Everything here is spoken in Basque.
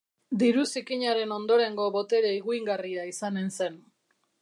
Diru zikinaren ondorengo botere higuingarria izanen zen.